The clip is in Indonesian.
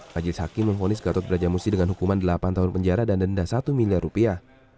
majelis hakim memfonis gatot brajamusti dengan hukuman delapan tahun penjara dan denda satu miliar rupiah